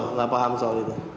enggak paham soal itu